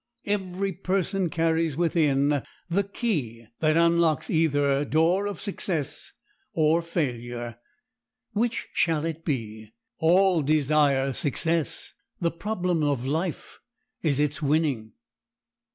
Every person carries within the key that unlocks either door of success or failure. Which shall it be? All desire success; the problem of life is its winning.